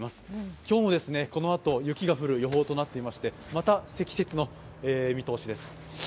今日もこのあと雪が降る予報となっていましてまた積雪の見通しです。